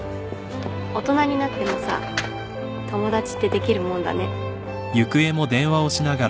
大人になってもさ友達ってできるもんだね。